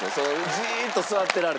じーっと座ってられても。